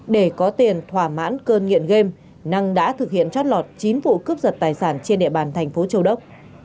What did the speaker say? để có tiền thỏa mãn cơn nghiện game năng đã thực hiện chót lọt chín vụ cướp giật tài sản trên địa bàn thành phố châu đốc